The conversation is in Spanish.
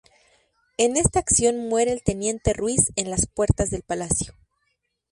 En esta acción muere el Teniente Ruiz en las puertas del Palacio.